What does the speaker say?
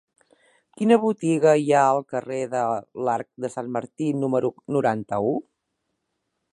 Quina botiga hi ha al carrer de l'Arc de Sant Martí número noranta-u?